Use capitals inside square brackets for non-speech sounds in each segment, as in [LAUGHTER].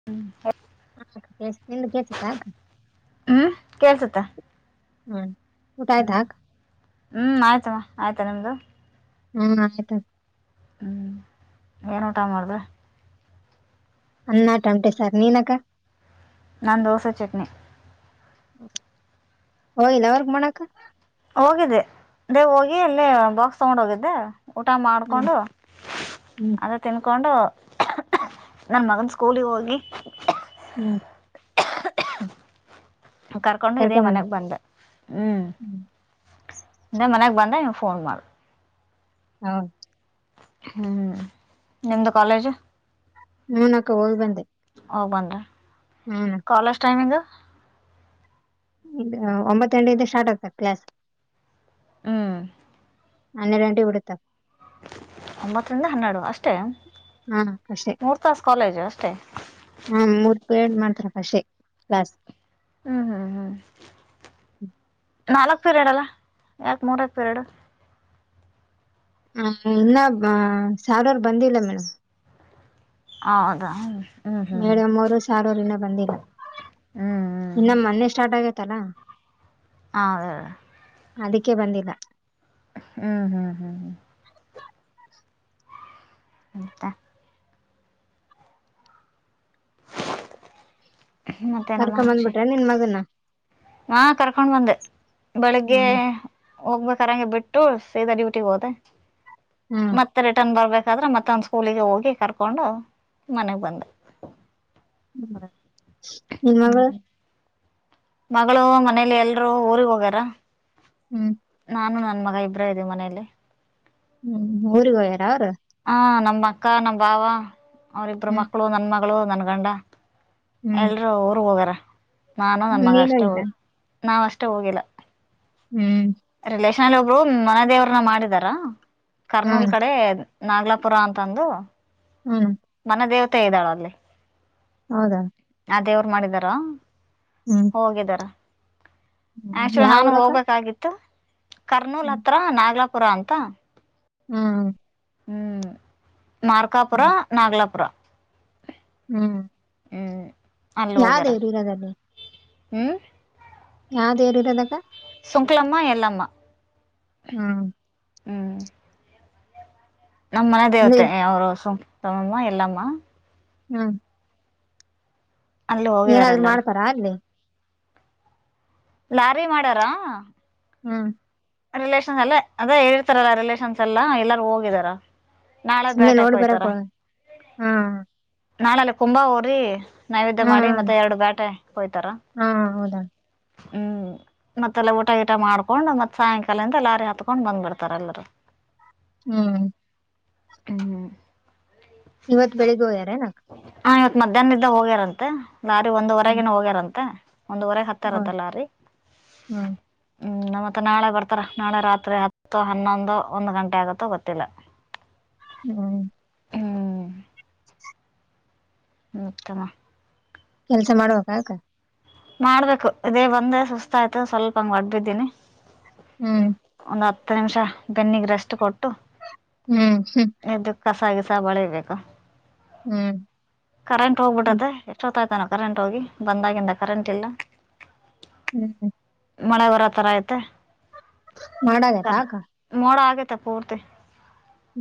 [UNINTELLIGIBLE] [UNINTELLIGIBLE] ಹ್ಮ್ ಕೇಳಿಸುತ್ತಾ ಹ್ಮ್ ಊಟ ಆಯ್ತ ಹ್ಮ್ ಆಯ್ತಮ್ಮ ಆಯ್ತಾ ನಿಮ್ದು ಹ್ಮ್ ಆಯ್ತ [UNINTELLIGIBLE] ಹ್ಞ ಏನ್ ಊಟ ಮಾಡ್ದೆ ಅನ್ನ ತಮಟೆ ಸರ್ ನೀ ನಕ್ಕ ನನ್ ದೋಸೆ ಚಟ್ನಿ [UNINTELLIGIBLE] ಹೋಗಿದ್ದೆ ದೇವ್ ಹೋಗಿ ಅಲ್ಲೇ ಬಾಕ್ಸ್ ತಗೊಂಡ್ ಹೋಗಿದ್ದೆ ಊಟ ಹ್ಮ್ ಮಾಡ್ಕೊಂಡು ಹ್ಮ್ ಅದಕ್ಕೆ ತಿನ್ಕೊಂಡು ನನ್ನ ಮಗನ ಸ್ಕೂಲಿಗೆ ಹೋಗಿ ಹ್ಮ್ ಕರ್ಕೊಂಡು ಇದೇ ಕರ್ಕೊಂಬಂದ ಮನೆಗ್ ಬಂದ ಹ್ಮ್ [UNINTELLIGIBLE] ಹೌದು ಹ್ಮ್ ನಿಮ್ದ ಕಾಲೇಜ್ ಹೂ ನಕ್ಕ ಹೋಗಿ ಬಂದೆ ಆವ್ ಬಂದಾ. ಹ್ಮನಕ್ಕಾ ಕಾಲೇಜ್ ಟೈಮಿಂಗ್ ಈಗ ಒಂಬತ್ತ ಗಂಟೆಯಿಂದ ಸ್ಟಾರ್ಟ್ ಆಗ್ತದ ಕ್ಲ್ಯಾಸ್. ಹ್ಮ ಹನ್ನೆರಡ್ ಗಂಟೆಕ ಬಿಡುತ್ತಾ ಒಂಬತ್ತರಿಂದ ಹನ್ನೆರಡು ಅಷ್ಟೇ ಹಾ ಅಕ್ಕಾ ಅಷ್ಟೇ [INAUDIBLE] ಮೂರು ತಾಸು ಕಾಲೇಜು ಅಷ್ಟೇ ಹಾ ಮೂರ್ ಪಿರಡ್ ಮಾಡ್ತಾರ ಅಷ್ಟೆ ಕ್ಲಾಸ್ ಹ್ಮ ಹ್ಮ ಹ್ಮ [INAUDIBLE] ನಾಲ್ಕ್ ಪೀರೆಯಡ್ ಅಲ್ಲಾ ಯಾಕ್ ಮೂರೆ ಪೀರೆಯಡ್. ಹಾ ಇನ್ನಾ ಬ ಸಾವರಾರ್ ಬಂದಿಲ್ಲ ಮೇಡಮ್ ಹೌದಾ ಹ್ಮ. ಮೇಡಮ್ ಅವರು ಸಾರ್ ಅವರ್ ಇನ್ನ ಬಂದಿಲ್ಲ ಹ್ಞೂ ಹ್ಞೂ ಇನ್ನ ಮೊನ್ನೆ ಸ್ಟಾರ್ಟ್ ಆಗೇತ್ತಲ್ಲಾ ಹಾ ಅದಿಕ್ಕೆ ಬಂದಿಲ್ಲಾ. ಹ್ಮ್ ಹ್ಮ್ ಹ್ಮ್ ಹ್ಮ ಮತ್ತ ಮತ್ತೇನಮ್ಮ ಕರ್ಕೊಂಡ ಬಂದಬಿಟ್ರೆನ್ ನಿನ್ ಮಗನ್ನಾ. ಹಾ ಕರ್ಕೊಂಡ್ ಬಂದೆ ಬೆಳಿಗ್ಗೇ ಹ್ಮ್ ಹೋಗ್ಬೇಕಾರ ಹಂಗೆ ಬಿಟ್ಟು ಸೀದಾ ಡ್ಯೂಟಿಗೆ ಹೋದೆ. ಹ್ಮ್ ಮತ್ತ ರಿಟರ್ನ್ ಬರ್ಬೇಕಾದ್ರೆ ಮತ್ತ ಅವ್ನ್ ಸ್ಕೂಲಿಗೆ ಹೋಗಿ ಕರ್ಕೊಂಡು ಮನೆಗ್ ಬಂದೆ. [UNINTELLIGIBLE] ನಿನ್ ಮಗಳು ಹ್ಮ್ [INAUDIBLE] ಮಗಳು ಮನೇಲಿ ಎಲ್ರೂ ಊರಿಗ್ ಹೋಗ್ಯಾರ ಹ್ಮ ನಾನು ನನ್ ಮಗ ಇಬ್ಬ್ರೆ ಇದೆವಿ ಮನಯಲ್ಲಿ. ಹ್ಮ್ ಊರಿಗ್ ಹೋಗ್ಯಾರ ಅವ್ರ್. ಹಾ ನಮ್ಮ ಅಕ್ಕ ನಮ್ ಭಾವ ಅವರಿಬ್ಬರು ಹ್ಮ್ ಮಕ್ಳು ನನ್ ಮಗಳು ನನ್ ಗಂಡ ಹ್ಮ್ ಎಲ್ರೂ ಅವ ಊರಿಗೆ ಹೋಗ್ಯಾರ ನಾನು ಹ್ಮ್, ನನ್ ಮಗಾ ನೀನ್ ಅಷ್ಟೇ ಹೋಗಿಲ್ಲ ಹೋಗಿ ನಾವ ಅಷ್ಟೇ ಹೋಗಿಲ್ಲ. ಹ್ಮ್ಮ್ ರಿಲೇಷನ್ ಅಲ್ಲಿ ಒಬ್ರು ಮನೆ ದೇವ್ರನ್ನ ಮಾಡಿದಾರಾ ಕರ್ನೂಲ್ ಹ್ಮ್ ಕಡೆ ಅದ ನಾಗ್ಲಪುರ ಅಂತಂದು ಹ್ಮ ಮನ ದೇವತೆ ಇದಾಳ ಅಲ್ಲಿ. ಹೌದಾ. ಆ ದೇವರ್ ಮಾಡಿದಾರ ಹ್ಮ್ ಹೋಗಿದಾರ ಹ್ಮ್ ಆಕ್ಚುಲಿ ಯಾವ ನಾನು ಊರಕ್ಕ ಹೋಗ್ಬೇಕಾಗಿತ್ತು ಕರ್ನೂಲ್ ಹ್ಮ್ ಹತ್ರ ನಾಗ್ಲಾಪುರ ಅಂತಾ ಹ್ಮ ಹ್ಮ ಮಾರ್ಕಾಪುರ ನಾಗ್ಲಾಪುರ ಹ್ಮ್ಮ್. ಹ್ಮ್ ಅಲ್ಲ್ ಹೊಗ್ಯಾರ ಇರೋದಲ್ಲಿ [INAUDIBLE] ಹ್ಮ್. ಯಾವ್ ದೇವರ್ ಇರೊದಕಾ ಸುಂಕ್ಲಮ್ಮ ಎಲ್ಲಮ್ಮ ಹ್ಮಾ. ಹ್ಮ. ನಮ್ ಮನೆ ಅಲ್ಲಿ ದೇವತೆ ಅವ್ರು ಸುಂಕಮ್ಮ ಎಲ್ಲಮ್ಮ. ಹ್ಮ ಅಲ್ಲಿ ಹೋಗಿದಾರೆ ಏನಾದ್ರು ಎಲ್ಲರೂ ಮಾಡ್ತಾರಾ ಅಲ್ಲಿ. ಲಾರಿ ಮಾಡಾರ. ಹ್ಮ್ ರಿಲೇಷನ್ಸ್ ಎಲ್ಲ ಅದೇ ಹೇಳಿರ್ತಾರಲ್ಲ ರಿಲೇಷನ್ಸ್ ಎಲ್ಲಾ ಎಲ್ಲಾರು ಹೋಗಿದಾರ. ನಾಳೆ ಸುಮ್ನೆ ಬೇಟಕ್ ನೋಡಿ ಬರಕ್ ಹೋಯ್ತಾರ. ಹೋಗ? ಹ್ಮ್ ನಾಳಲ್ಲಿ ಕುಂಬ ಊರಿ ನೈವೇದ್ಯ ಮಾಡಿ ಮತ್ತೆ ಎರಡು ಬೇಟೆ ಹೊಯ್ತಾರ. ಹ್ಮ ಹೌದಾ. ಹ್ಮ್ ಮತ್ತೆಲ್ಲ ಊಟ ಗಿಟ ಮಾಡ್ಕೊಂಡ್ ಮತ್ ಸಾಯಂಕಾಲದಿಂದ ಲಾರಿ ಹತ್ಕೊಂಡ್ ಬಂದ್ ಬಿಡ್ತಾರೆ ಎಲ್ಲಾರು. ಹ್ಮ ಹ್ಮ್ ಇವತ್ ಬೆಳಿಗ್ಗೆೋಯ್ಯಾರನಾ. ಹಾ ಇವತ್ ಮಧ್ಯಾಹ್ನದ್ದ ಹೋಗ್ಯಾರಂತೆ ಲಾರಿ ಹ್ಮ್ ಒಂದ್ವರೆಗನ ಹೋಗ್ಯಾರಂತೆ ಒಂದ್ವರೆಗೆ. ಹೌದ್ ತರತಲ್ಲ ರೀ ಹ್ಮ್ ಹ್ಮ ನಮ ಮತ್ತ ನಾಳೆ ಬರ್ತಾರ ನಾಳೆ ರಾತ್ರಿ ಹತ್ತು ಹನ್ನೊಂದು ಒಂದು ಗಂಟೆ ಆಗತ್ತೋ ಗೊತ್ತಿಲ್ಲ. ಹ್ಮ ಹ್ಮ್ ಉತ್ತಮ. ಕೆಲ್ಸ ಮಾಡ್ಬೇಕಾ ಅಕ್ಕ. ಮಾಡ್ಬೇಕು ಇದೇ ಬಂದ ಸುಸ್ತ ಆಯ್ತು ಸ್ವಲ್ಪ ಹಂಗ ಹೊಡ್ಬಿದ್ದೀನಿ. ಹ್ಮ್ ಒಂದು ಹತ್ತು ನಿಮಿಷ ಕಣ್ಣಿಗ್ ರೆಸ್ಟ್ ಕೊಟ್ಟು. ಹ್ಮ್ ಹ್ಮ್ ಎದ್ದು ಕಸ ಗಿಸ ಬಳಿಬೇಕು. ಹ್ಮ್ ಕರೆಂಟ್ ಹೋಗ್ಬಿಡದ ಎಷ್ಟ ಹಯ್ತಾನ ಕರೆಂಟ್ ಹೋಗಿ ಬಂದಾಗಿಂದ ಕರೆಂಟ್ ಇಲ್ಲ. [UNINTELLIGIBLE] ಹ್ಮ್ ಹ್ಮ್ ಮಳೆ ಬರ ತರ ಐತೆ. ಮಾಡಾಗೈತ್ ಕರ್ ಆಕ. ಮೋಡ ಆಗೇತ್ತ ಪೂರ್ತಿ.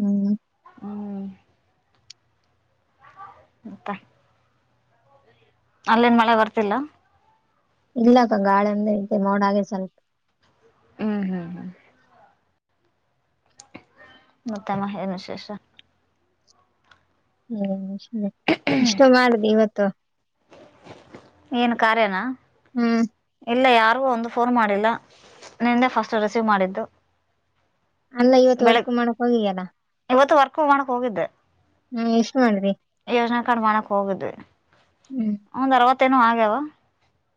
ಹ್ಮ್ ಹ್ಮ್ ತ ಅಲ್ಲೇನ್ ಮಳೆ ಬರ್ತಿಲ್ಲ. ಇಲ್ಲಕ್ಕ ಗಾಳೆಂದಂತೆ ಮೋಡ ಹಾಗೈತ್ ಸ್ವಲ್ಪ. ಹ್ಮ್ ಹ್ಮ್ ಹ್ಮ್ ಮತ್ತಮ್ಮ ಎನ್ ವಿಶೇಷ. ಹ್ಮ್ ಇಷ್ಟ ಮಾಡದು ಇವತ್ತು. ಏನ್ ಕಾರ್ಯನ. ಹ್ಮ್ ಇಲ್ಲ ಯಾರಿಗೂ ಒಂದು ಫೋನು ಮಾಡಿಲ್ಲ ನಿಂದೆ ಫಸ್ಟ್ ರಿಸೀವ್ ಮಾಡಿದ್ದು. ಅಲ್ಲ ಇವತ್ತು ಬೆಳಗ್ ವರ್ಕ್ ಮಾಡಕ್ ಹೋಗಿಯಲ್ಲ. ಇವತ್ತು ವರ್ಕ್ ಮಾಡೋಕ್ ಹೋಗಿದ್ದೆ. ಹ್ಮ ಎಷ್ಟ್ ಮಾಡ್ದಿ ಯೋಜನಾ ಕಾರ್ ಮಾಡಕ್ ಹೋಗುದು ಹ್ಮ್ ಒಂದ್ ಅರವತ್ತೇನೋ ಆಗ್ಯಾವ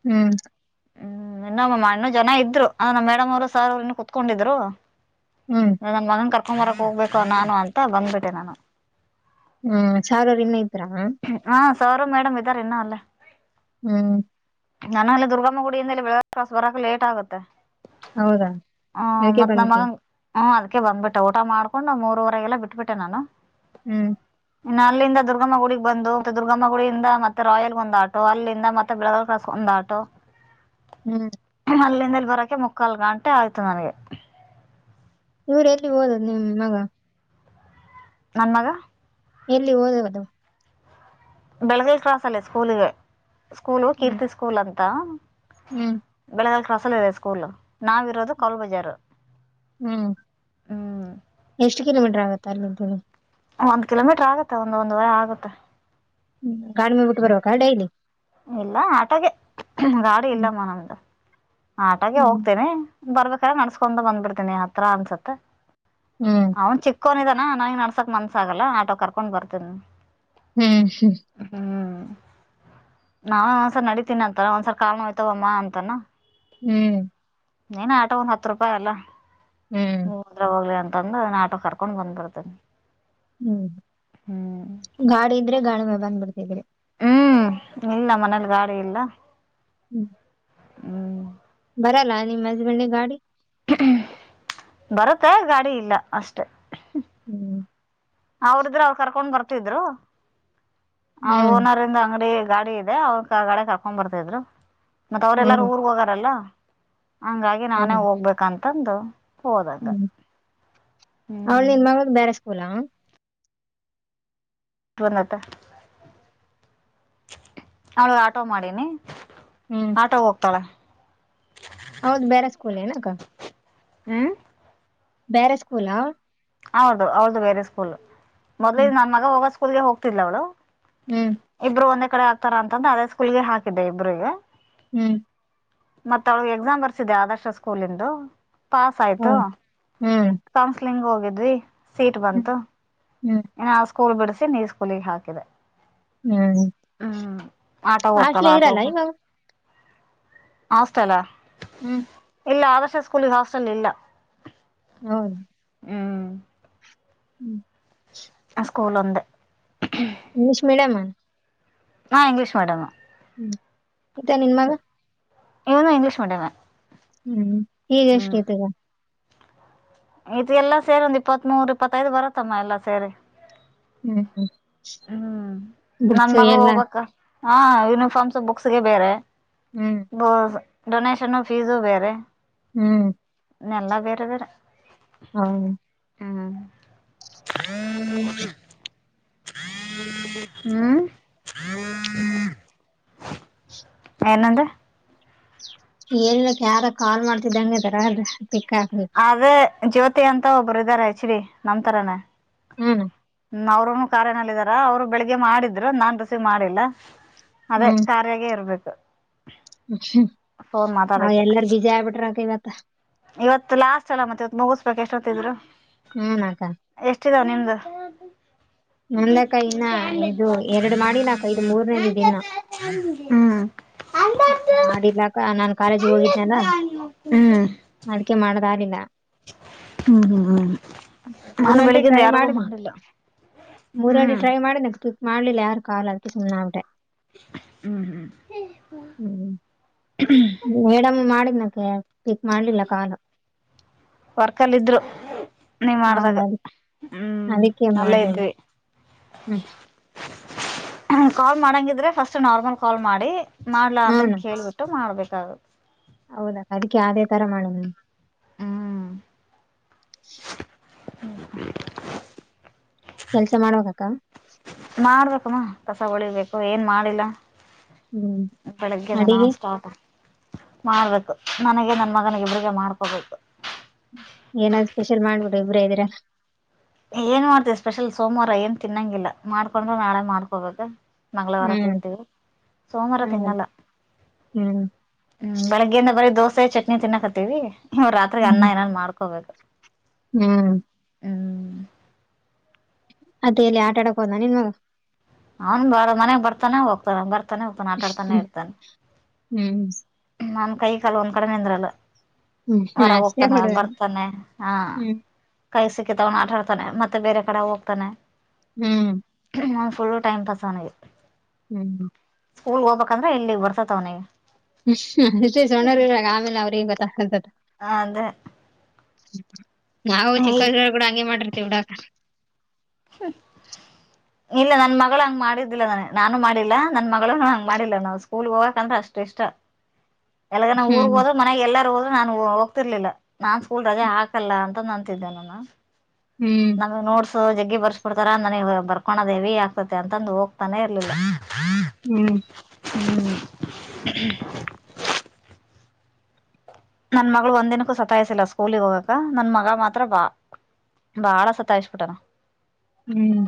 ಹ್ಮ್ ಹ್ಮ್ ಇನ್ನಮ್ಮ ಅಣ್ಣು ಜನ ಇದ್ರು ನಮ್ಮ ಮೇಡಮ್ ಅ ಸಾರ್ ಅವನ್ನ ಕುತ್ಕೊಂಡಿದ್ರು ಹ್ಮ್ ನಾ‌ನನ್ ಮಗನ್ ಕರ್ಕೊಂಬರಕ್ ಹೋಗಬೇಕು ನಾನು ಅಂತ ಬಂದ್ಬಿಟ್ಟೆ ನಾನು ಹ್ಮ ಸಾರವ್ರ್ ಇನ್ನ ಇದ್ರಾ ಮ್ಯಾಮ್ ಹ ಸರ್ ಮೇಡಮ್ ಇದ್ದಾರೆ ಇನ್ನ ಅಲ್ಲೆ ಹ್ಮ್ ನನ ಅಲ್ಲಿ ದುರ್ಗಮ್ಮ ಗುಡಿಯಿಂದೇ ಬೆಳಗ್ ಕ್ರಾಸಸ್ ಬರಕೆ ಲೇಟ್ ಆಗುತ್ತೆ ಹೌದಾ ಹ ಅದಕ್ಕೆ ಮತ್ತ್ ನಮ್ಮ ಬಂದ್ಬಿಟ್ಟಿ ಮಗನ್ ಹ್ಮ್ ಅದ್ಕ್ಕೆ ಬಂದ್ಬಟ್ಟೆ ಊಟ ಮಾಡಕೊಂಡ್ ಮೂರುವರೆಗೆಲ್ಲ ಬಿಟ್ಬಿಟ್ಟೆ ನಾನು ಹ್ಮ್ ಇನ್ನು ಅಲ್ಲಿಂದ ದುರ್ಗಮ್ಮ ಗುಡಿಗೆ ಬಂದೊಗ್ ದುರ್ಗಮ್ಮ ಗುಡಿಯಿಂದ ಮತ್ತೆ ರಾಯಲ್ ಬಂದ್ ಆಟೋ ಅಲ್ಲಿಂದ ಮತ್ ತ [INAUDIBLE] ಕ್ರಾಸಂದ ಟೋ ಹ್ಮ್ ಅಲ್ಲಿಂದ್ ಇಲ್ ಬರಕೆ ಮುಕ್ಕಾಲ್ ಗಾಂಟೆ ಆಯ್ತು ನನ್ಗೆ ಇವ್ರ್ ಎಲ್ಲಿಗ್ ಓದ್ರ್ ನಿಮ್ ಮಗ- ನನ್ ಮಗ ಎಲ್ಲಿ ಓದುವುದು? ಬೆಳಗಲ್ ಕ್ರಾಸ್ ಅಲ್ಲಿ ಸ್ಕೂಲಿಗೆ ಸ್ಕೂಲು ಹ್ಮ್ ಕೀರ್ತಿ ಸ್ಕೂಲ್ ಅಂತ ಹ್ಮ್. ಬೆಳೆಗಾಲ ಕ್ರಾಸ್ ಅಲ್ ಇದೆ ಸ್ಕೂಲ್ ನಾವ್ ಇರೋದು ಕೌಲ್ ಬಜಾರು. ಹ್ಮ್ ಎಷ್ಟು ಕಿಲೋಮೀಟರ್ ಆಗತ್ತ ಅಲ್ಲಿಂದಿಲ್ಲಿಗಿ ಒಂದು ಕಿಲೋಮೀಟರ್ ಆಗತ್ತೆ ಒಂದ ಒಂದೂವರೆ ಆಗತ್ತೆ ಗಾಡಿ ಮ್ಯಾಗ್ ಬುಟ್ಟ್ಬರಬಕ ಡೈಲಿ? ಇಲ್ಲ ಆಟೋಗೆ ಗಾಡಿ ಹ್ಮ್ ಇಲ್ಲಮ್ಮ ನಮ್ದು ಆಟೋಗೆ ಹ್ಮ್ ಹೋಗ್ತೇನೆ. ಬರ್ಬೇಕಾದ್ರ ನಡಸಗೊಂತ ಬಂದ್ಬಿಡ್ತೀನಿ ಹತ್ರ ಅನ್ಸತ್ ಹ್ಮ್- ಅವ್ನ್ ಚಿಕ್ಕೋನಿದಾನ ನನಗ ನಡಸಾಕ್ ಮನ್ಸಾಗಲ್ಲ ಆಟೋ ಕರ್ಕೊಂಡ್ ಬರ್ತಿನಿ. ಹ್ಮ್ ಹ್ಮ್- ಹ್ಮ್ ನಾ ಒಂದ್ಸರ್ ನಡತೀನಿ ಅಂತಾನ ಒಂದಸಲ ಕಾಲ್ ನೋಯ್ತವಮ್ಮ ಅಂತಾನ ಹ್ಮ್- ನೀನ್ ಆಟೋ ಒಂದ ಹತ್ತು ರೂಪಾಯಿ ಅಲ್ಲ ಹ್ಮ್ ಹೋದ್ರ ಹೋಗ್ಲಿ ಅಂತ ಅಂದ್ ಆಟೋ ಕರ್ಕೊಂಡ್ ಬಂದ ಬಿಡತೆನಿ ಹ್ಮ್ ಗಾಡಿ ಇದ್ರೆ ಗಾಡಿ ಮ್ಯಾಗ್ ಬಂದ ಬಿಡ್ತಿದ್ದಿರಿ ಹ್ಮ್ ಇಲ್ ನಮ್ ಮನೇಲಿ ಗಾಡಿ ಇಲ್ಲ- ಹ್ಮ್. ಹ್ಮ್ ಬರಲ್ಲ ನೀಮ್ ಹಜಬಂಡಗ ಗಾಡಿ? ಬರುತ್ತೇ ಗಾಡಿ ಇಲ್ಲ ಅಷ್ಟೆ. ಹ್ಮ್ ಅವರಿದ್ರ ಅವ್ರ್ ಕರ್ಕೊಂಡ್ ಬರ್ತಿದ್ರು ಅವ್ರ ಹ್ಮ್ ಓನರಿಂದ ಅಂಗಡಿ ಗಾಡಿ ಅವ್ರ ಕಾರ ಗಾಡ್ಯಗ ಹಾಕೋಂಡ ಬರ್ತಿದ್ರು ಮತ್ತ ಅವರೆಲ್ಲಾರು ಹ್ಮ್ ಊರ್ಗ್ ಹೋಗರಲ್ಲ. ಹಂಗಾಗಿ ನಾನೇ ಹೌದು ಹೋಗ್ಬೇಕಂತಂದ ಹೋದಂಗ. ಅವ್ಳ ಹ್ಮ್ ನಿನ್ ಮಗ್ಳದ ಬೇರೆ ಸ್ಕೂಲಾ? ಬಂದ ಆತ ಅವ್ಳ ಆಟೋ ಮಾಡೀನಿ. ಹ್ಮ್ ಆಟೋ ಗ್ ಹೋಗ್ತಾಳೆ. ಅವ್ಳದ ಬೇರೆ ಸ್ಕೂಲ್ ಏನಕ್ಕಾ. ಹ್ಮ್- ಬ್ಯಾರೆ ಸ್ಕೂಲಾ? ಹೌದು ಹೌದು ಬೇರೆ ಸ್ಕೂಲ್ ಹ್ಮ್ ಮೊದಲಿಗೆ ನನ್ ಮಗ ಹೋಗೊ ಸ್ಕೂಲ್ಗೆ ಹೋಗ್ತಿದ್ಲ ಅವ್ಳು- ಹ್ಮ್- ಇಬ್ರು ಒಂದೇ ಕಡೆ ಆಗ್ತಾರ ಅಂತ ಅದೇ ಸ್ಕೂಲ್ಗೆ ಹಾಕಿದ್ದೆ ಇಬ್ರು ಗೆ. ಹ್ಮ್- ಮತ್ತ ಅವ್ಳಗೆ ಎಕ್ಸಾಮ್ ಬರ್ಸಿದೆ ಆದರ್ಶ ಸ್ಕೂಲಿಂದು- ಪಾಸ್ ಆಯ್ತು ಹ್ಮ್ ಹ್ಮ್- ಕೌನ್ಸ್ಲಿಂಗ್ ಹೋಗಿದ್ವಿ ಸೀಟ್ ಬಂತು. ಹ್ಮ್- ಇ ಆ ಸ್ಕೂಲ್ ಬಿಡಸಿನೀ ಈ ಸ್ಕೂಲಿಗೆ ಹಾಕಿದೆ. ಹ್ಮ್ ಹ್ಮ್ ಆಟೋ ಹೋಗ್ತಾಳ ಹಾಸ್ಟ್ಲ್ ಆಟೋ ಇರಲ್ಲ ಹೋಗ ಇವಾಗ ಹಾಸ್ಟೆಲಾ? ಹ್ಮ್- ಇಲ್ಲ ಆದರ್ಶ ಸ್ಕೂಲ್ ಗ ಹಾಸ್ಟೆಲ್ ಇಲ್ಲ- ಹೌದು. ಹ್ಮ್ - ಹ್ಮ್- ಆ ಸ್ಕೂಲ್ ಒಂದೆ. ಇಂಗ್ಲಿಷ್ ಮೀಡಿಯಂಮ. ಹಾ ಇಂಗ್ಲೀಷ್ ಮೀಡಿಯಮ್. ಹ್ಮ್ ಇತಾ ನಿನ್ ಮಗ. ಇವ್ನು ಇಂಗ್ಲಿಷ್ ಮೀಡಿಯಂಮೆ. ಹ್ಮ್ ಹೀಗ್ ಎಷ್ಟತಿಗ. ಇದು ಎಲ್ಲಾ ಸೇರಿ ಒಂದ್ ಇಪ್ಪತ್ ಮೂರ್ ಇಪ್ಪತ್ತೈದು ಬರತ್ತಮ್ಮ ಎಲ್ಲಾ ಸೇರಿ. ಹ್ಮ್ ಹ್ಮ ಹ್ಮ್ ನನ್ ಬುಕ್ಸ್ ಮಗಳು ಎಲ್ಲ. ಹೋಗ್ಬೇಕ ಹಾ ಯೂನಿಫಾರ್ಮ್ಸ್ ಬುಕ್ಸ್ಗೆ ಬೇರೆ. ಹ್ಮ್ ಹೌದು ಡೊನೇಷನ್ ಫೀಸು ಬೇರೆ. ಹ್ಮ್ ಎಲ್ಲಾ ಬೇರೆ ಬೇರೆ. ಹೌ ಹ್ಮ್ [UNINTELLIGIBLE] ಹ್ಮ್ ಏನಂದೆ. ಎನಿಲ್ಲ ಯಾರ ಕಾಲ್ ಮಾಡ್ತಿದ್ದಂಗೆ ತರ ದರ ಪಿಕ್ ಆಗ್ಬೇಕು. ಅದೇ ಜ್ಯೋತಿ ಅಂತ ಒಬ್ರು ಇದಾರೆ ಹೆಚ್ಡಿ ನಮ್ನಂತರನೇ. ಹ್ಮ್ ಅವ್ರನು ಕಾರಾರ್ನಲ್ಲ ಇದಿದಾರ ಅವ್ರು ಬೆಳಿಗ್ಗೆ ಮಾಡಿದ್ರು ನಾನ್ ರಸೀವ್ ಮಾಡಿಲ್ಲ. ಅದೇ ಕಾರ್ಯಾಗ ಇರ್ಬೇಕು ಫೋನ್ ್ಮ ಮಾತಾಡಕ್ಕೆ ಎಲ್ಲಾರ ಬಿೀಜಿ ಆಗ್ಬಿಟ್ರಕ ಇವತ್ತ ಇವತ್ತು ಲಾಸ್ಟ್ ಅಲ್ಲ ಮತ್ತೆ ಇವತ್ ಮುಗಿಸ್ಬೇಕಕ್ ಎಷ್ಟೊತ್ತಿದ್ರು ಹ್ಮನ್ಕ ಎಷ್ಟಿದಾವ ನಿಮ್ದ? ನಂದಕ್ಕ ಇನ್ನ ಇದು ಎರಡ್ ಮಾಡಿನಾಕ ಇದು ಮೂರನೇದು ಇದಿನ್ನ ಹ್ಮ ಮಾಡಿಲ್ಲ ನಾನ್ ಕಾಲೇಜ್ ಹೋಗಿದನಲ್ಲ ಅದಕೆ ಮಾಡಕೆ ಆಗಿಲ್ಲ ಹ್ಮ್ ಹ್ಮ್ ಹ್ಮ್ ಮೂರ್ ನಾನು ಗಂಟೆ ಬೆಳಿಗಿಂದ ಟ್ರೈ ಯಾರಿಗೂ ಮಾಡಿದ್ನಿ ಮಾಡಿಲ್ಲ ಮೂರ್ ಗಂಟೆ ಹ್ಮ್ ಟ್ರೈ ಮಾಡಿ ನ ನೆಕಸ್್ಟ್ ಮಾಡ್ಲಿಲ್ಲ ಯಾರು ಕಾಲ್ ಅದಕ್ಕೆ ಸುಮ್ನೆ ಆಗ್ ಬಿಟ್ಟ ಹ್ಮ್ ಹ್ಮ್ ಹ್ಮ್ ಹ್ಮ್ ಮೇಡಮ್ಮ್ ಮಾಡಿದನಕ ಪಿಕ್ ಮಾಡ್ಲಿಲ್ಲ ಕಾಲು ವರ್ಕಲ್ ಇದ್ರು ನೀವ್ ನಾವು ಮಾಡ್ದಾಗ ಅದ್- ಹ್ಮ್ ಅಲ್ಲೇ ಇದ್ವಿ ಹ್ಮ ಕಾಲ್ ಮಾಡಂಗಿದ್ರೆ ಫಸ್ಟ್ ನಾರ್ಮಲ್ ಕಾಲ್ ಮಾಡಿ ಮಾಡ್ಲಾ ಅಂತಂಗ ಕೇಳ್ಬಿಟ್ಟು ಮಾಡ್ಬೇಕಾಗೆ ಹೌದಾ ಅದಕ್ಕೆ ಯಾವದೇ ತರ ಮಾಡುದು ಹ್ಮ ಹ್ಮ ಕೆಲ್ಸ ಮಾಡ್ುವಾಗಕ್ಕ ಮಾಡ್ಬೇಕುಮ್ಮ ಕಸ ಉಳಿಬೇಕು ಏನ್ ಮಾಡಿಲ್ಲ ಹ್ಮ್ ಬೆಳಗ್ಗೆದ ನಾ ಅಡಿಗೆ ಸ್ಟಾರ್ಟ ಮಾಡ್ಬೇಕು ನನಗೆ ನನ್ ಮಗನಗ ಇಬ್ರಿಗೆ ಮಾಡ್ಕೋಬೇಕು ಏನಾದ್ ಸ್ಪೆಷಲ್ ಮಾಡ್ಬಿಡು ಇಬ್್ರೇ ಇದದ್ರರ ಏನ್ ಮಾಡ್ತ ಸ್ಪೆಷಲ್ ಸೋಮವಾರ ಏನ್ ತಿನ್ನಂಗಿಲ್ಲ ಮಾಡ್ಕೊಂಡ್ರೆ ನಾಳೆ ಮಾಡ್ಕೊಬೇಕ ಮಂಗಳವಾರ ಹ್ಮ್ ತಿಂತೀವಿ ಸೋಮವಾರ ಹೌದ್. ತಿನ್ನಲ್ಲ ಹ್ಮ್ ಹ್ಮ್ ಬೆಳಗ್ಗೆಯಿಂದ ಬರೀ ದೋಸೆ ಚಟ್ನಿ ತಿನ್ನಾಕತ್ತೀವಿ ಇವ್ ರಾತ್ರಿ ಅನ್ನ ಹ್ಮ್ ಏನಾದ್ ಮಾಡ್ಕೋಬೇಕು ಹ್ಮ್ ಹ್ಮ ಅದೇ ಎಲ್ಲಿ ಆಟ ಆಡಕ ಹೋದ ನಿನ್ ಮ ಅವ್ನ್ ಬ ಮನೆಗ್ ಬರ್ತಾನೆ ಹೋಗ್ತಾನ ಬರ್ತಾನೆೋಗ್ತಾನ ಆಟ ಆಡ್ತಾನೆ ಇರ್ತಾನೆ ಹ್ಮ್ ನನ್ ಕೈ ಕಾಲ ಒಂದ್ ಕಡೆ ನಿಂದ್ರಲ್ಲ ಹ್ಮ್ ಹ್ಮ್ ಹೊರಾಗ ಅಷ್ಟೇ ಹೋಗ್ತಾನೆ ಹುಡುಗನ ಬರ್ತಾನೆ ಹಾ ಹ್ಮ್ ಕೈ ಸಿಕ್ಕಿ ತಗೊಂಡ ಆಟಾಡ್ತಾನೆ ಮತ್ತೆ ಬೇರೆ ಕಡೆ ಹೋಗ್ತಾನೆ ಹ್ಮ್ ನಾವು ಫುಲ್ಲು ಟೈಮ ಪಾಸ್ ಅವನಿಗೆ ಹ್ಮ್ ಸ್ಕೂಲ್ ಗೆ ಹೋಗಬೇಕಂದ್ರೆಲ್ಲಿಗ್ ಬರ್ತವ್ನಿಗೆ [UNINTELLIGIBLE] ಆಮೇಲೆ ಅವ್ರಿಗೆಂಗ ಗೊತ್ತಾ ಹ ಅದೇ ನಾವು ಚಿಕ್ಕದುರ್ಗ ಕೂಡ ಹಂಗೆ ಮಾಡಿರ್ತೇವಿ ಉಡಾಕ ಹ ಇಲ್ಲ ನನ್ನ ಮಗಳ ಹಂಗ ಮಾಡಿದ್ದಿಲ್ಲ ನನಗ್ಗ ನಾನು ಮಾಡಿಲ್ಲ ನನ್ನ ಮಗಳ ಹಂಗ ಮಾಡಿಲ್ಲ ನಾವು ಸ್ಕೂಲ್ ಹೋಗಕಕ್ಂದ್ರ ಅಷ್ಟ ಇಷ್ಟ. ಎಲ್ಲಗ ನ ಊರ್ ಹ್ಮ್ ಹೋದ [UNINTELLIGIBLE] ಎಲ್ಲಾರೂ ಹೋದ್ರ ನಾನ್ ಹೋಗತಿರ್ಲಿಲ್ಲ ನಾನ್ ಸ್ಕೂಲ್ ರಜೆ ಹಾಕಲ್ಲ ಅಂತ ಅಂತಿದ್ದೆ ನಾನ. ಹ್ಮ್. ನೋಟ್ಸ್ ಜಗ್ಗಿ ಬರ್ಸ್ಬಿಡ್ತಾರ ನನಗ ಬರ್ಕೋನದೇವಿ ಆಗ್ತತೆ ಅಂತಂದು ಹೋಗ್ತಾನೆ ಇರ್ಲಿಲ್ಲ. ಹ್ಮ್. ಹ. [INAUDIBLE] ನನ್ನ ಮಗಳು ಒಂದಿನಕ್ಕೂ ಸತಾಯಸಿಲ್ಲ ಸ್ಕೂಲಗ್ ಹೋಗಕ ನನ್ನ ಮಗ ಮಾತ್ರ ಬಾ ಬಾಳ ಸತಾಯಿಶ ಬಿಟ್ಟಾನ. ಹ್ಮ್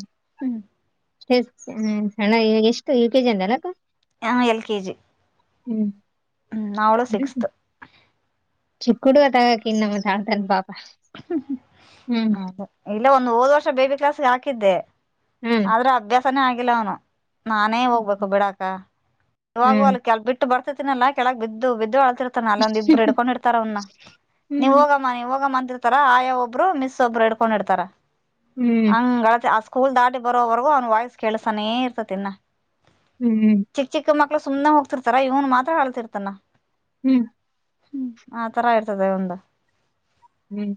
ಹ್ಮ [UNINTELLIGIBLE] ಎಷ್ಟು ಯು ಕೆ ಜಿ ಅಂದಲಕ್ಕ. ಆ ಎಲ್ ಕೆ ಜಿ. ಹ್ಮ್ ಅವಳು ಸಿಕ್ಸ್ತ್ [INAUDIBLE] ಚಿಕ್ಕಉಡ್ಗ ತಗೋ ಅಕ್ಕ ಇನ್ನ ಮತ್ತ್ ಅಳತನ ಪಾಪ. ಹ್ಮ್ [UNINTELLIGIBLE] ಹೌದ ಇಲ್ಲ ಒಂದು ಹೋದ್ ವರ್ಷ ಬೇಬಿ ಕ್ಲಾಸ್ಗೆ ಹಾಕಿದ್ದೆ. ಹ್ಮ್. ಅದ್ರ ಅಭ್ಯಾಸನೇ ಆಗಿಲ್ಲ ಅವನು ನಾನೇ ಹೋಗ್ಬೇಕು ಹ್ಮ್ ಬಿಡಾಕ ಇವಾಗ ಹ್ಮ್ ಅಲ್ಲಿ ಕೆಲ್ ಬಿ ಬಿಟ್ಟ ಬರ್ತತಿನಲ್ಲಾ ಕೆಳಗ್ ಬಿದ್ದು ಬಿದ್ದು ಅಳ್ತಿರ್ತಾನ ಅಲ್ಲ ಒಂದ್ ಇಬ್ರು ಹಿಡ್ಕೊಂಡಿರ್ತಾರ ಇತಾರ ಅವನ್ನ ನೀವು ಹೋಗ ಅಮ್ಮ ನೀ ಹೋಗಮ್ಮ ಅಂತಿರ್ತಾರ ಆಯಾ ಒಬ್ರು ಮಿಸ್ ಒಬ್ರು ಇಡ್ಕೊಂಡ್ ಇಡ್ತಾರ ಹ್ಮ್ ಹಂಗಳ ಕುಲ ದಾಟಿ ಬರೋವರೆಗೂ ಅವನ ವಾಯ್ಸ್ ಕೇಳಸಾನೇ ಇರ್ತೇತಿ ಇನ್ನ. ಹ್ಮ್. ಚಿಕ್ಕ ಚಿಕ್ಕಮಕ್ಕಳ ಸುಮ್ನ್ ಹೋಗ್ತಿರ್ತಾರ ಇವನ್ ಮಾತ್ರ ಅಳ್ತಿರ್ತಾನ. ಹ್ಮ್. ಹ್ಮ್ ಆ ತರ ಇರ್ತದೆ ಇವಂದ್. ಹ್ಮ್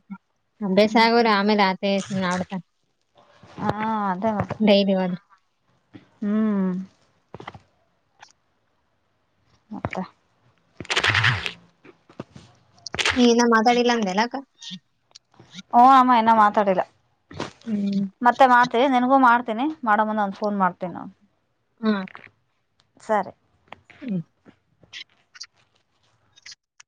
ಅಭ್ಯಾಸ ಆಗೋರ ಆಮೇಲೆ ಆತ ಸುಮ್ನಾಬಿಡ್ತಾನ್. ಹಾ ಅದೇ ಮಾ [INAUDIBLE] ಮತ್ತ್ ಈ ಇನ್ ಮಾತಾಡಿಲ್ಲ ಅಂದೆಲ್ಲಕ್ಕ್. ಓ ಅಮ್ಮಇನ್ ಮಾತಾಡಿಲ್ಲ ಹ್ಮ್ ಮತ್ತೆ ಮಾ ಎ ನಿನಗೂ ಮಾಡ್ತಿನಿ ಮಾಡ ಮುಂದ ಒಂದ್ ಫೋನ್ ಮಾಡ್ತೀ ನ ಹ ಸರಿ. ಹ್ಮ.